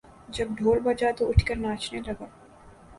جب ڈھول بجا تو اٹھ کر ناچنے لگا